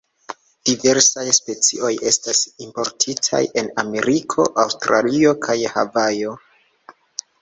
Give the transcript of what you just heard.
Diversaj specioj estas importitaj en Ameriko, Aŭstralio kaj Havajo.